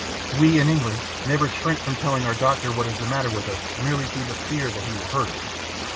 We in England never shrink from telling our doctor what is the matter with us merely through the fear that he will hurt us.